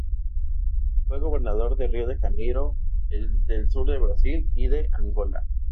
Fue gobernador de Río de Janeiro, del Sur de Brasil y de Angola.